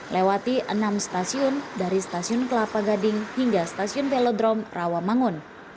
lewati enam stasiun dari stasiun kelapa gading hingga stasiun velodrome rawamangun